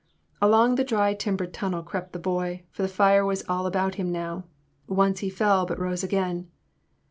Along the dry timbered tunnel crept the boy, for the fire was all about him now« Once he fell but rose again.